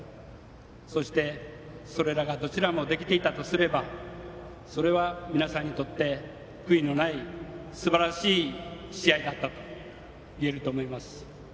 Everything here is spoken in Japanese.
そして、それらがどちらもできていたとすればそれは皆さんにとって悔いのないすばらしい試合だったといえると思います。